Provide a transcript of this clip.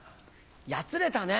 やつれたね。